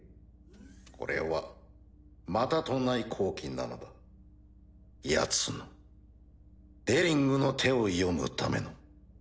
これはまたとない好機なのだヤツのデリングの手を読むための。